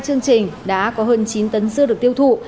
chương trình đã có hơn chín tấn dưa được tiêu thụ